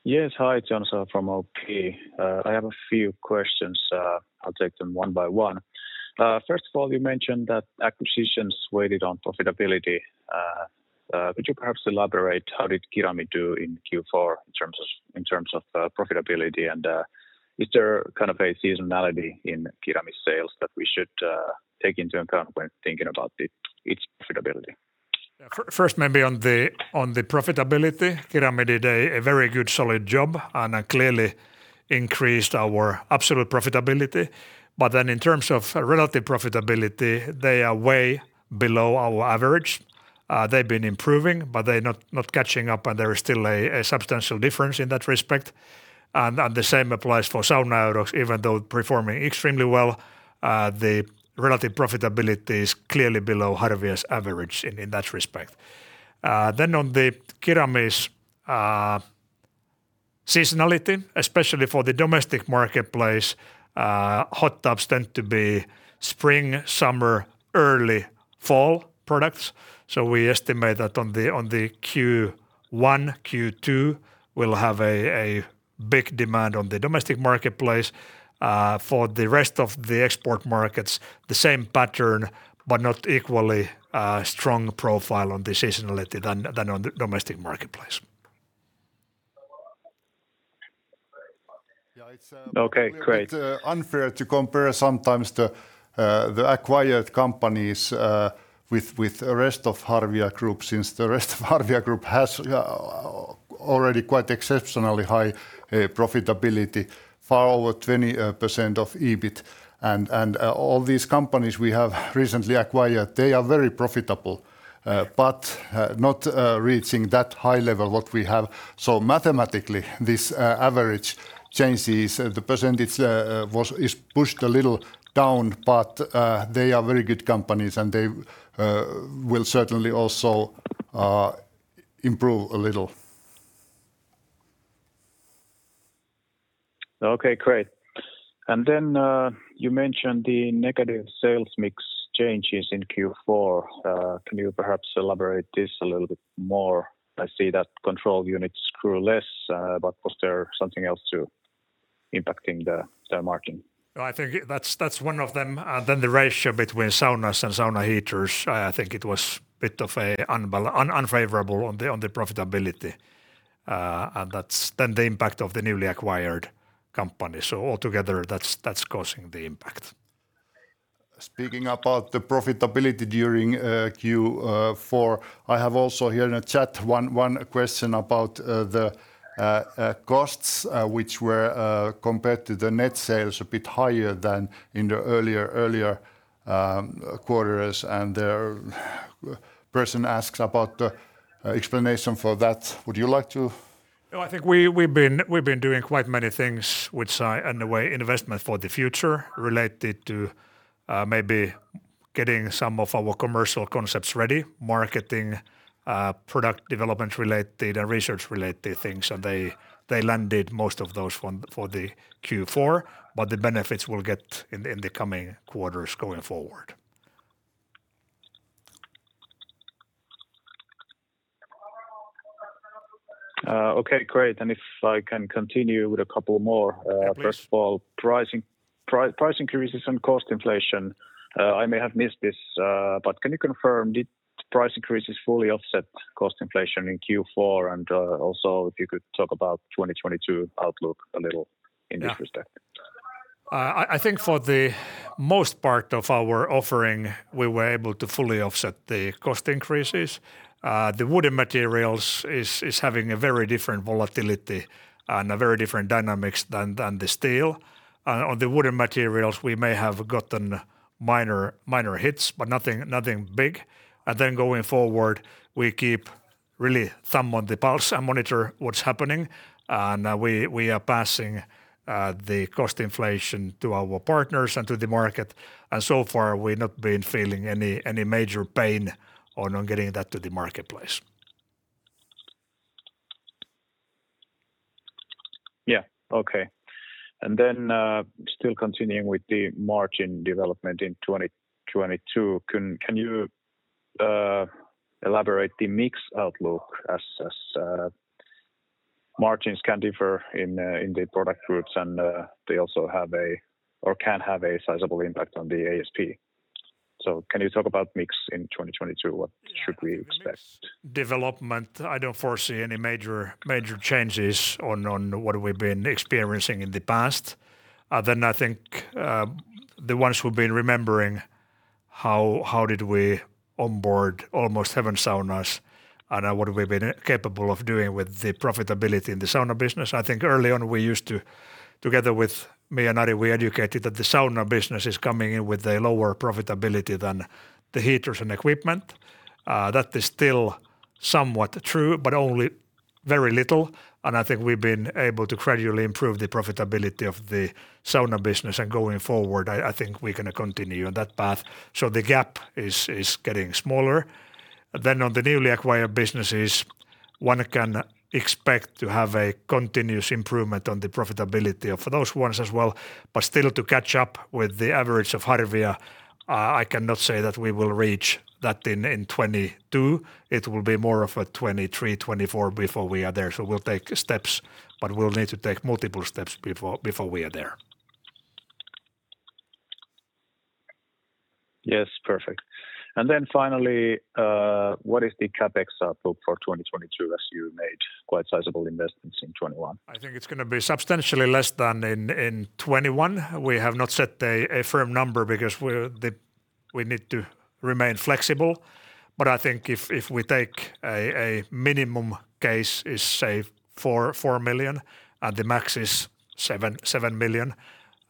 [SPEAKER 5] Yes. Hi, Joonas Häyhä from OP. I have a few questions. I'll take them one by one. First of all, you mentioned that acquisitions weighed on profitability. Could you perhaps elaborate how did Kirami Oy do in Q4 in terms of profitability? Is there kind of a seasonality in Kirami Oy sales that we should take into account when thinking about its profitability?
[SPEAKER 1] First, maybe on the profitability, Kirami Oy did a very good solid job and clearly increased our absolute profitability. In terms of relative profitability, they are way below our average. They've been improving, but they're not catching up and there is still a substantial difference in that respect. The same applies for Sauna-Eurox, even though performing extremely well, the relative profitability is clearly below Harvia's average in that respect. On the Kirami Oy's seasonality, especially for the domestic marketplace, hot tubs tend to be spring, summer, early fall products. We estimate that on the Q1, Q2 will have a big demand on the domestic marketplace. For the rest of the export markets, the same pattern, but not equally strong profile on the seasonality than on the domestic marketplace.
[SPEAKER 2] Yeah, it's.
[SPEAKER 5] Okay, great....
[SPEAKER 2] a bit unfair to compare sometimes the acquired companies with rest of Harvia Plc since the rest of Harvia Plc has already quite exceptionally high profitability, far over 20% of EBIT. All these companies we have recently acquired, they are very profitable, but not reaching that high level what we have. Mathematically, this average changes. The percentage is pushed a little down, but they are very good companies and they will certainly also improve a little.
[SPEAKER 5] Okay, great. You mentioned the negative sales mix changes in Q4. Can you perhaps elaborate this a little bit more? I see that control units grew less, but was there something else too impacting the margin?
[SPEAKER 1] No, I think that's one of them. The ratio between saunas and sauna heaters, I think it was a bit of an unfavorable on the profitability. That's then the impact of the newly acquired company. Altogether that's causing the impact.
[SPEAKER 2] Speaking about the profitability during Q4, I have also here in the chat one question about the costs, which were compared to the net sales a bit higher than in the earlier quarters. The person asks about the explanation for that. Would you like to?
[SPEAKER 1] No, I think we've been doing quite many things which are in a way investment for the future related to, maybe getting some of our commercial concepts ready, marketing, product development related and research related things, and they landed most of those for the Q4, but the benefits we'll get in the coming quarters going forward.
[SPEAKER 5] Okay, great. If I can continue with a couple more.
[SPEAKER 1] Yeah, please.
[SPEAKER 5] First of all, pricing, price increases and cost inflation. I may have missed this, but can you confirm, did price increases fully offset cost inflation in Q4? Also if you could talk about 2022 outlook a little in this respect.
[SPEAKER 1] Yeah. I think for the most part of our offering, we were able to fully offset the cost increases. The wooden materials is having a very different volatility and a very different dynamics than the steel. On the wooden materials we may have gotten minor hits, but nothing big. Going forward, we keep really thumb on the pulse and monitor what's happening. We are passing the cost inflation to our partners and to the market. So far we've not been feeling any major pain on getting that to the marketplace.
[SPEAKER 5] Still continuing with the margin development in 2022, can you elaborate the mix outlook as margins can differ in the product groups and they also can have a sizable impact on the ASP. Can you talk about mix in 2022? What should we expect?
[SPEAKER 1] Yeah. Mix development, I don't foresee any major changes on what we've been experiencing in the past. I think the ones who've been remembering how did we onboard almost seven saunas and what we've been capable of doing with the profitability in the sauna business. I think early on we used to together with me and Ari, we educated that the sauna business is coming in with a lower profitability than the heaters and equipment. That is still somewhat true, but only very little, and I think we've been able to gradually improve the profitability of the sauna business. Going forward, I think we're gonna continue on that path. The gap is getting smaller. On the newly acquired businesses, one can expect to have a continuous improvement on the profitability of those ones as well. Still to catch up with the average of Harvia, I cannot say that we will reach that in 2022. It will be more of a 2023, 2024 before we are there. We'll take steps, but we'll need to take multiple steps before we are there.
[SPEAKER 5] Yes. Perfect. Finally, what is the CapEx outlook for 2022 as you made quite sizable investments in 2021?
[SPEAKER 1] I think it's gonna be substantially less than in 2021. We have not set a firm number because we need to remain flexible. I think if we take a minimum case is, say, 4 million and the max is 7 million,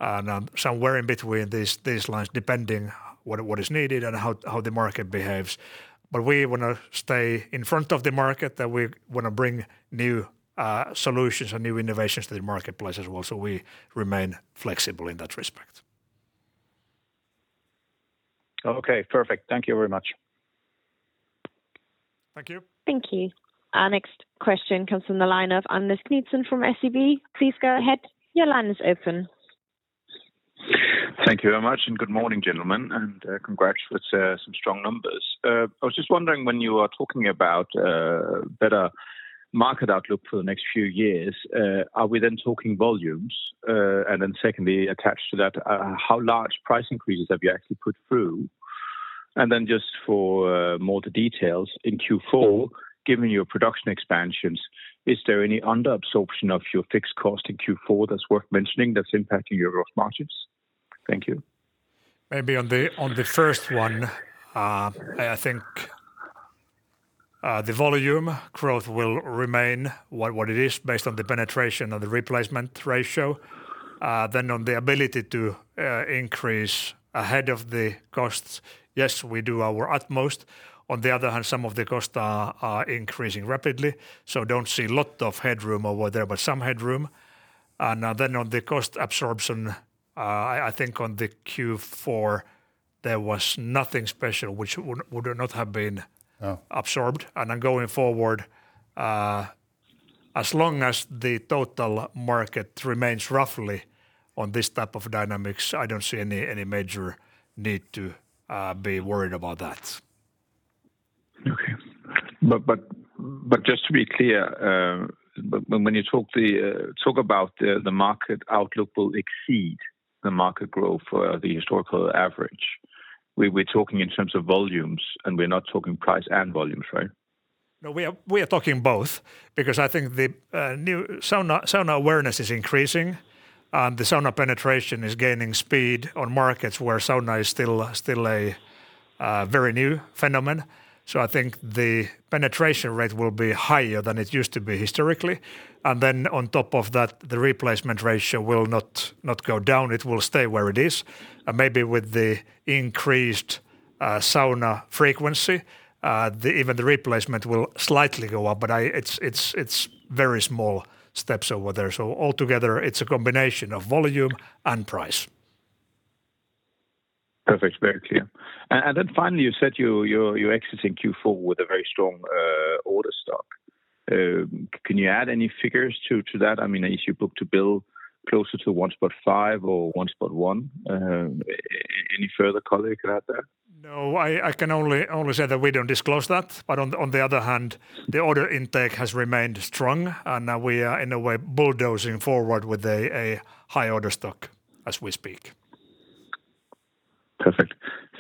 [SPEAKER 1] and somewhere in between these lines, depending what is needed and how the market behaves. We wanna stay in front of the market, that we wanna bring new solutions and new innovations to the marketplace as well. We remain flexible in that respect.
[SPEAKER 5] Okay. Perfect. Thank you very much.
[SPEAKER 1] Thank you.
[SPEAKER 3] Thank you. Our next question comes from the line of Anders Knudsen from SEB. Please go ahead. Your line is open.
[SPEAKER 6] Thank you very much, and good morning, gentlemen, and, congrats for, some strong numbers. I was just wondering when you are talking about, better market outlook for the next few years, are we then talking volumes? Secondly, attached to that, how large price increases have you actually put through? Then just for more the details, in Q4, given your production expansions, is there any under absorption of your fixed cost in Q4 that's worth mentioning that's impacting your gross margins? Thank you.
[SPEAKER 1] Maybe on the first one, I think the volume growth will remain what it is based on the penetration and the replacement ratio. On the ability to increase ahead of the costs, yes, we do our utmost. On the other hand, some of the costs are increasing rapidly, so don't see lot of headroom over there, but some headroom. On the cost absorption, I think on the Q4 there was nothing special which would not have been.
[SPEAKER 6] Yeah...
[SPEAKER 1] absorbed. Going forward, as long as the total market remains roughly on this type of dynamics, I don't see any major need to be worried about that.
[SPEAKER 6] Okay. Just to be clear, when you talk about the market outlook, we'll exceed the market growth for the historical average, we're talking in terms of volumes, and we're not talking price and volumes, right?
[SPEAKER 1] No, we are talking both because I think the new sauna awareness is increasing, and the sauna penetration is gaining speed on markets where sauna is still a very new phenomenon. I think the penetration rate will be higher than it used to be historically. Then on top of that, the replacement ratio will not go down. It will stay where it is. Maybe with the increased sauna frequency, even the replacement will slightly go up. It's very small steps over there. Altogether it's a combination of volume and price.
[SPEAKER 6] Perfect. Very clear. Finally, you said you're exiting Q4 with a very strong order book. Can you add any figures to that? I mean, is your book-to-bill closer to 1.5 or 1.1? Any further color you can add there?
[SPEAKER 1] No. I can only say that we don't disclose that. On the other hand, the order intake has remained strong, and now we are in a way bulldozing forward with a high order stock as we speak.
[SPEAKER 6] Perfect.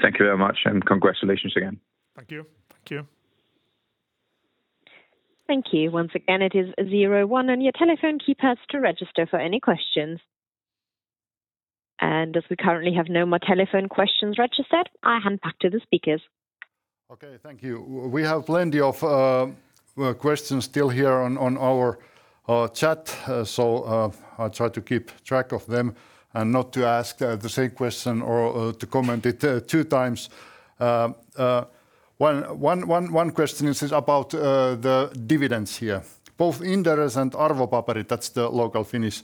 [SPEAKER 6] Thank you very much, and congratulations again.
[SPEAKER 1] Thank you.
[SPEAKER 2] Thank you.
[SPEAKER 3] Thank you. Once again it is 01 on your telephone keypads to register for any questions. As we currently have no more telephone questions registered, I hand back to the speakers.
[SPEAKER 2] Okay. Thank you. We have plenty of questions still here on our chat. I'll try to keep track of them and not to ask the same question or to comment it 2x. First question is about the dividends here. Both Inderes and Arvopaperi, that's the local Finnish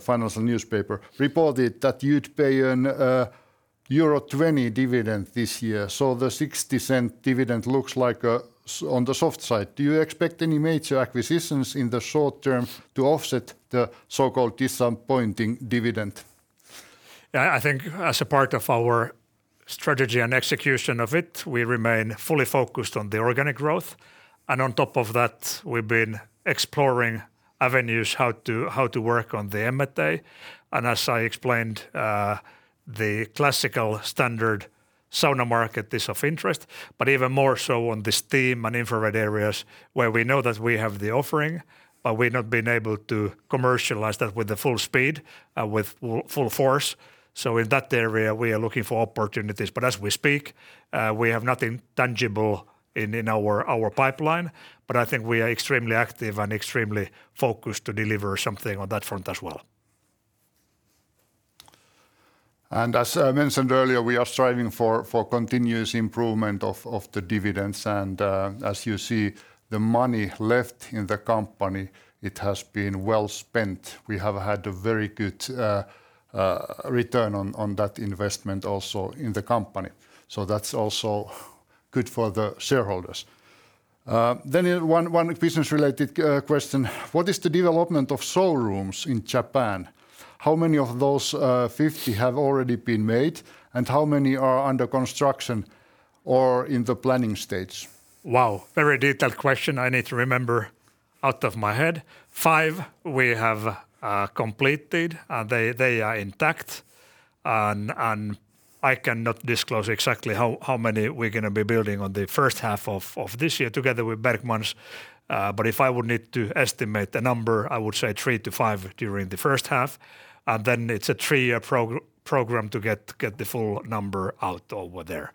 [SPEAKER 2] financial newspaper, reported that you'd pay a euro 2.0 dividend this year. The 0.06 EUR dividend looks like on the soft side. Do you expect any major acquisitions in the short term to offset the so-called disappointing dividend?
[SPEAKER 1] Yeah, I think as a part of our strategy and execution of it, we remain fully focused on the organic growth, and on top of that, we've been exploring avenues how to work on the M&A. As I explained, the classical standard sauna market is of interest, but even more so on the steam and infrared areas where we know that we have the offering, but we've not been able to commercialize that with the full speed, with full force. In that area, we are looking for opportunities. As we speak, we have nothing tangible in our pipeline, but I think we are extremely active and extremely focused to deliver something on that front as well.
[SPEAKER 2] As I mentioned earlier, we are striving for continuous improvement of the dividends. As you see, the money left in the company, it has been well spent. We have had a very good return on that investment also in the company, so that's also good for the shareholders. One business-related question: What is the development of showrooms in Japan? How many of those 50 have already been made, and how many are under construction or in the planning stage?
[SPEAKER 1] Wow, very detailed question I need to remember out of my head. We have five completed. They are intact. I cannot disclose exactly how many we're gonna be building in the first half of this year together with Bergman. But if I would need to estimate the number, I would say three to five during the first half. Then it's a three-year program to get the full number out over there.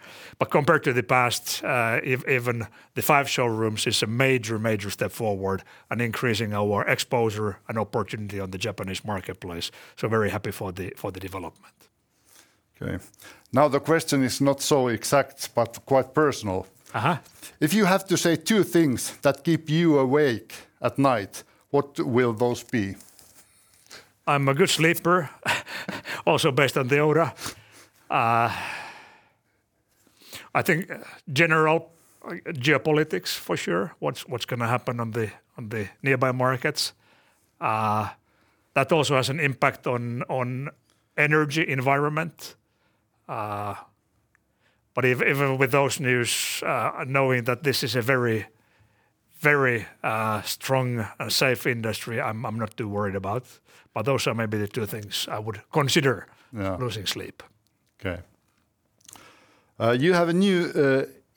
[SPEAKER 1] Compared to the past, even the five showrooms is a major step forward in increasing our exposure and opportunity on the Japanese marketplace, so very happy for the development.
[SPEAKER 2] Okay. Now the question is not so exact but quite personal.
[SPEAKER 1] Uh-huh.
[SPEAKER 2] If you have to say two things that keep you awake at night, what will those be?
[SPEAKER 1] I'm a good sleeper, also based on the Oura. I think general geopolitics for sure, what's gonna happen on the nearby markets. That also has an impact on energy environment. Even with those news, knowing that this is a very strong and safe industry, I'm not too worried about. Those are maybe the two things I would consider.
[SPEAKER 2] Yeah
[SPEAKER 1] losing sleep.
[SPEAKER 2] Okay. You have a new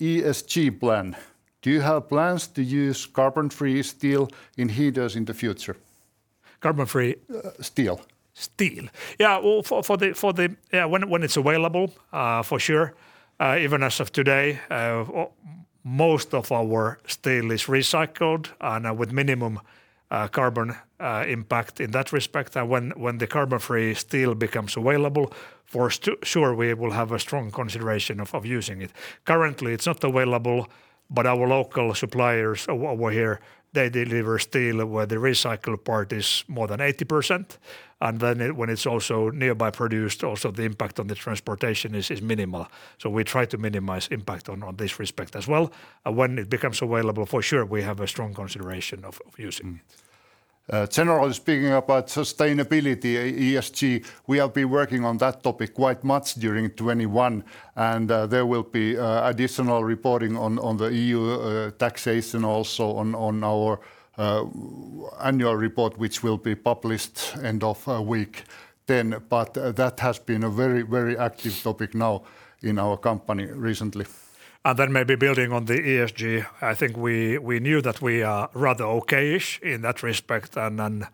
[SPEAKER 2] ESG plan. Do you have plans to use carbon-free steel in heaters in the future?
[SPEAKER 1] Carbon-free?
[SPEAKER 2] Steel.
[SPEAKER 1] Steel. Yeah, well, for the. Yeah, when it's available, for sure. Even as of today, most of our steel is recycled, and with minimum carbon impact in that respect. When the carbon-free steel becomes available, for sure we will have a strong consideration of using it. Currently, it's not available, but our local suppliers over here, they deliver steel where the recycled part is more than 80%. When it's also nearby produced, also the impact on the transportation is minimal. We try to minimize impact on this respect as well. When it becomes available, for sure we have a strong consideration of using it.
[SPEAKER 2] Generally speaking about sustainability, ESG, we have been working on that topic quite much during 2021, and there will be additional reporting on the EU taxonomy also on our annual report, which will be published end of week then. That has been a very active topic now in our company recently.
[SPEAKER 1] Maybe building on the ESG, I think we knew that we are rather okay-ish in that respect, and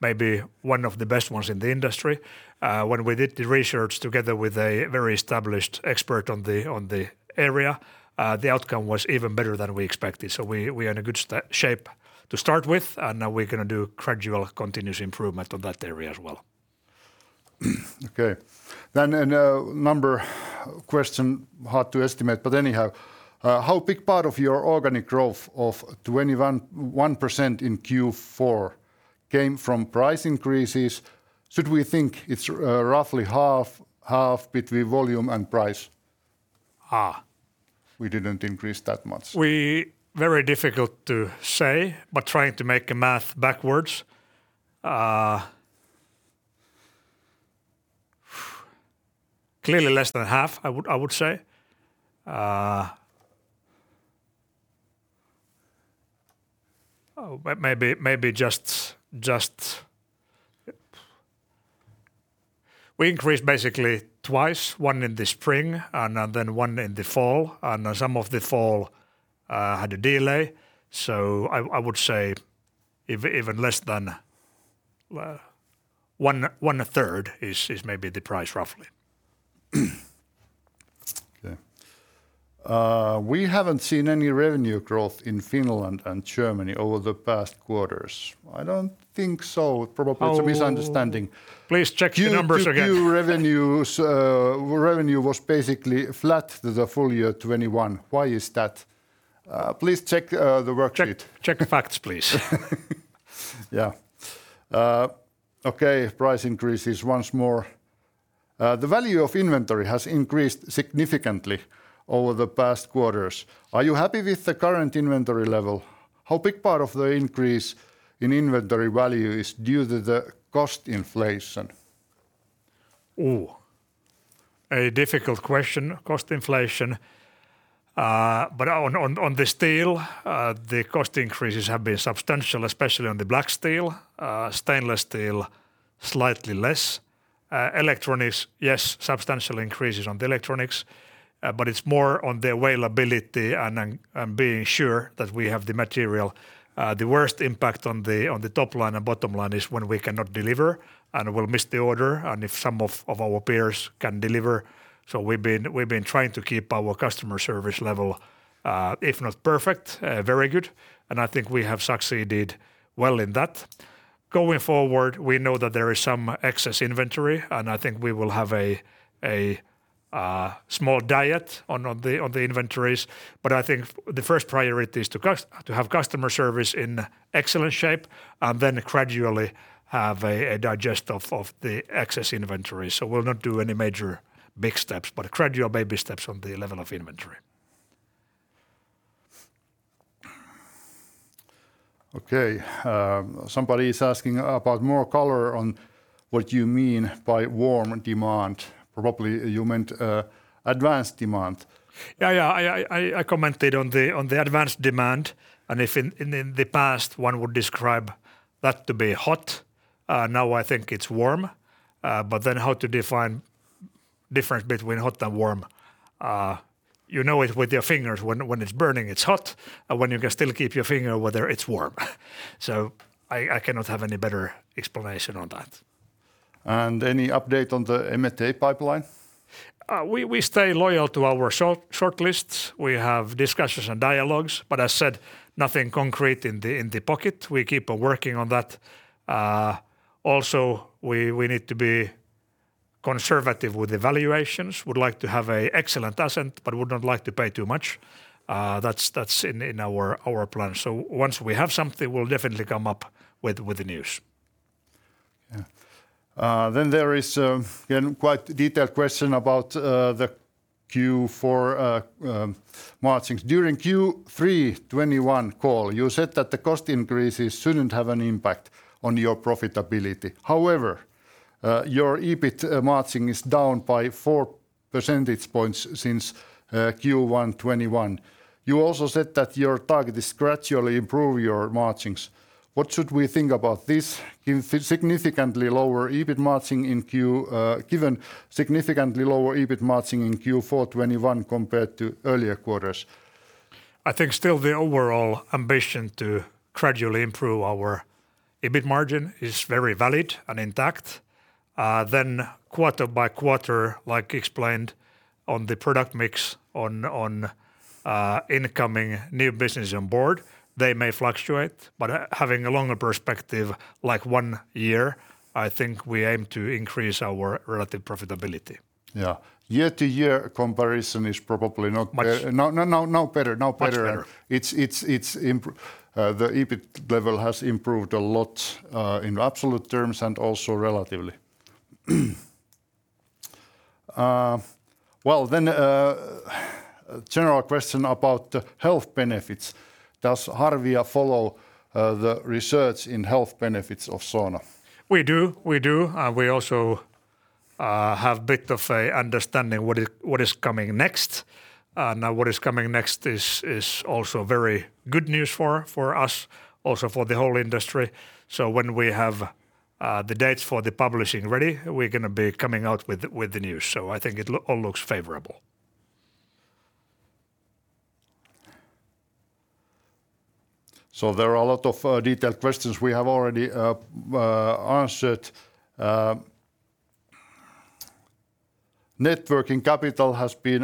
[SPEAKER 1] maybe one of the best ones in the industry. When we did the research together with a very established expert on the area, the outcome was even better than we expected. We are in a good shape to start with, and now we're gonna do gradual continuous improvement on that area as well.
[SPEAKER 2] Okay. A number question, hard to estimate, but anyhow, how big part of your organic growth of 21.1% in Q4 came from price increases? Should we think it's roughly half between volume and price?
[SPEAKER 1] Ah.
[SPEAKER 2] We didn't increase that much.
[SPEAKER 1] Very difficult to say, but trying to do the math backwards, clearly less than half, I would say. But maybe just. We increased basically twice, one in the spring, and then one in the fall, and some of the fall had a delay. I would say even less than one third is maybe the price roughly.
[SPEAKER 2] Okay. We haven't seen any revenue growth in Finland and Germany over the past quarters. I don't think so.
[SPEAKER 1] Oh-
[SPEAKER 2] It's a misunderstanding.
[SPEAKER 1] Please check the numbers again.
[SPEAKER 2] Q2 revenue was basically flat the full year 2021. Why is that? Please check the worksheet.
[SPEAKER 1] Check facts, please.
[SPEAKER 2] Price increases once more. The value of inventory has increased significantly over the past quarters. Are you happy with the current inventory level? How big part of the increase in inventory value is due to the cost inflation?
[SPEAKER 1] A difficult question. Cost inflation. On the steel, the cost increases have been substantial, especially on the black steel. Stainless steel, slightly less. Electronics, yes, substantial increases on the electronics, but it's more on the availability and being sure that we have the material. The worst impact on the top line and bottom line is when we cannot deliver and we'll miss the order and if some of our peers can deliver. We've been trying to keep our customer service level, if not perfect, very good, and I think we have succeeded well in that. Going forward, we know that there is some excess inventory, and I think we will have a small dip on the inventories. I think the first priority is to have customer service in excellent shape and then gradually have a digest of the excess inventory. We'll not do any major big steps, but gradual baby steps on the level of inventory.
[SPEAKER 2] Okay. Somebody's asking about more color on what you mean by warm demand. Probably you meant, advanced demand.
[SPEAKER 1] Yeah, yeah. I commented on the advance demand, and if in the past one would describe that to be hot, now I think it's warm. How to define difference between hot and warm? You know it with your fingers when it's burning, it's hot, and when you can still keep your finger whether it's warm. I cannot have any better explanation on that.
[SPEAKER 2] Any update on the M&A pipeline?
[SPEAKER 1] We stay loyal to our shortlists. We have discussions and dialogues, but as said, nothing concrete in the pocket. We keep on working on that. Also, we need to be conservative with evaluations. We would like to have an excellent asset, but would not like to pay too much. That's in our plan. Once we have something, we'll definitely come up with the news.
[SPEAKER 2] There is again quite a detailed question about the Q4 margins. During Q3 2021 call, you said that the cost increases shouldn't have an impact on your profitability. However, your EBIT margin is down by 4 percentage points since Q1 2021. You also said that your target is to gradually improve your margins. What should we think about this, given the significantly lower EBIT margin in Q4 2021 compared to earlier quarters?
[SPEAKER 1] I think still the overall ambition to gradually improve our EBIT margin is very valid and intact. Quarter by quarter, like explained on the product mix on incoming new business on board, they may fluctuate, but having a longer perspective, like one year, I think we aim to increase our relative profitability.
[SPEAKER 2] Yeah. Year-over-year comparison is probably not be-
[SPEAKER 1] Much
[SPEAKER 2] No better.
[SPEAKER 1] Much better.
[SPEAKER 2] The EBIT level has improved a lot in absolute terms and also relatively. Well, general question about the health benefits. Does Harvia follow the research in health benefits of sauna?
[SPEAKER 1] We do. We also have a bit of an understanding what is coming next. Now what is coming next is also very good news for us, also for the whole industry. When we have the dates for the publishing ready, we're gonna be coming out with the news. I think it all looks favorable.
[SPEAKER 2] There are a lot of detailed questions we have already answered. Net working capital has been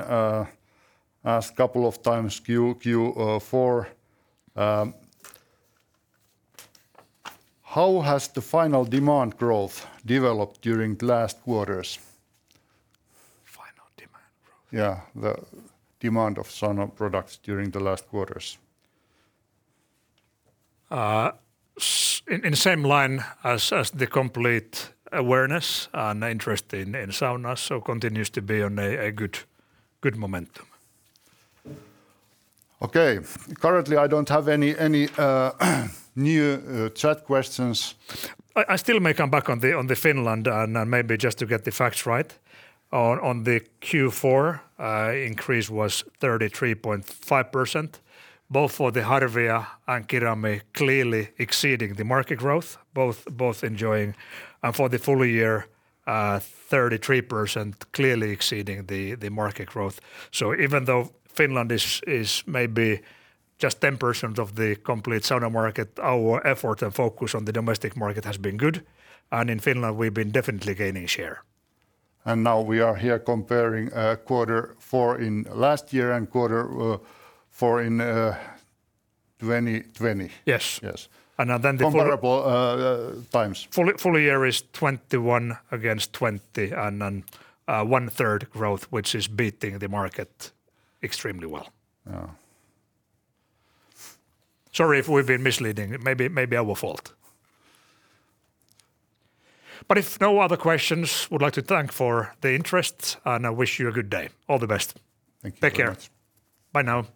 [SPEAKER 2] asked couple of times. Q4, how has the final demand growth developed during last quarters?
[SPEAKER 1] Final demand growth.
[SPEAKER 2] Yeah. The demand of sauna products during the last quarters.
[SPEAKER 1] In the same vein as the complete awareness and interest in saunas continues to be on a good momentum.
[SPEAKER 2] Okay. Currently, I don't have any new chat questions.
[SPEAKER 1] I still may come back on the Finland and maybe just to get the facts right. On the Q4 increase was 33.5%, both for the Harvia and Kirami Oy clearly exceeding the market growth. For the full year 33%, clearly exceeding the market growth. Even though Finland is maybe just 10% of the complete sauna market, our effort and focus on the domestic market has been good, and in Finland, we've been definitely gaining share.
[SPEAKER 2] Now we are here comparing quarter four in last year and quarter four in 2020.
[SPEAKER 1] Yes.
[SPEAKER 2] Yes.
[SPEAKER 1] And now then the full-
[SPEAKER 2] Comparable times.
[SPEAKER 1] full year is 2021 against 2020 and then 1/3 growth, which is beating the market extremely well.
[SPEAKER 2] Yeah.
[SPEAKER 1] Sorry if we've been misleading. Maybe our fault. If no other questions, I would like to thank you for the interest, and I wish you a good day. All the best.
[SPEAKER 2] Thank you very much.
[SPEAKER 1] Take care. Bye now.